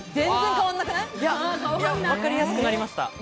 わかりやすくなりました。